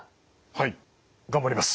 はい頑張ります。